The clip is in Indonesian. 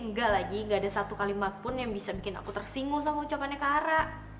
enggak lagi gak ada satu kalimat pun yang bisa bikin aku tersinggung sama ucapannya ke ara